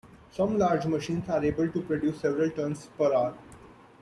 Some large machines are able to produce several tons per hour.